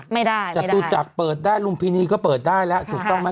ไม่ได้จตุจักรเปิดได้ลุมพินีก็เปิดได้แล้วถูกต้องไหม